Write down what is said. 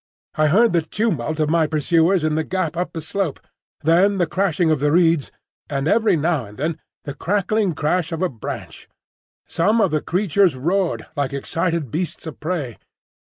I heard the tumult of my pursuers in the gap up the slope, then the crashing of the reeds, and every now and then the crackling crash of a branch. Some of the creatures roared like excited beasts of prey.